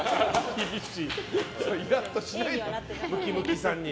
イラッとしないのムキムキさんに。